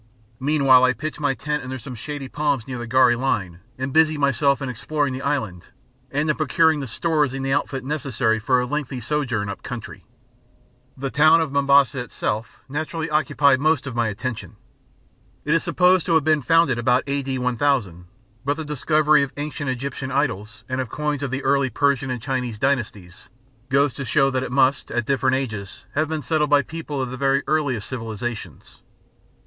Meanwhile I pitched my tent under some shady palms near the gharri line, and busied myself in exploring the island and in procuring the stores and the outfit necessary for a lengthy sojourn up country. The town of Mombasa itself naturally occupied most of my attention. It is supposed to have been founded about A.D. 1000, but the discovery of ancient Egyptian idols, and of coins of the early Persian and Chinese dynasties, goes to show that it must at different ages have been settled by people of the very earliest civilisations.